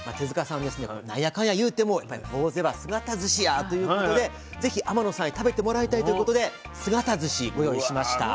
なんやかんやいうてもぼうぜは姿ずしやということでぜひ天野さんに食べてもらいたいということで姿ずしご用意しました。